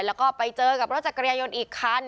แล้วก็ไปเจอกับรถจักรยายนต์อีกคัน